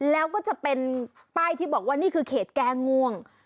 แล้วก็จะเป็นป้ายที่บอกว่านี่คือเขตแก้ง่วง